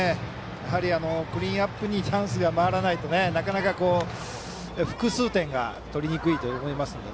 やはりクリーンナップにチャンスが回らないとなかなか複数点が取りにくいと思いますので。